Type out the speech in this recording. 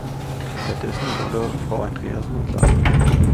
Stattdessen wurde Frau Andreasen entlassen.